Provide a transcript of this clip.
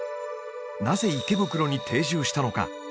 なぜ池袋に定住したのか